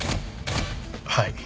はい。